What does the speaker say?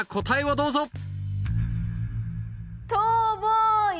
答えをどうぞ！